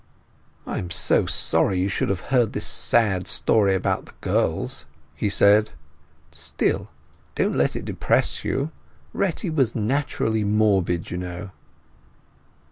"I am so sorry you should have heard this sad story about the girls," he said. "Still, don't let it depress you. Retty was naturally morbid, you know."